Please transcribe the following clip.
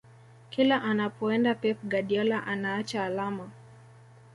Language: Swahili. kila anapoenda pep guardiola anaacha alama